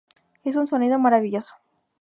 Es un sonido maravilloso.